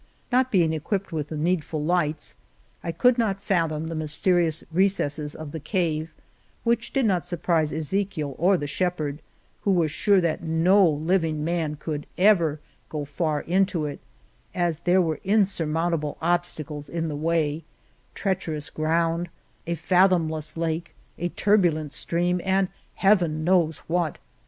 Not being equipped with the needful lights, I could not fathom the mys terious recesses of the cave, which did not surprise Ezechiel or the shepherd, who were sure that no living man ever could go far into it, as there were insurmountable obstacles in the way — treacherous ground, a fathom less lake, a turbulent stream, and Heaven knows what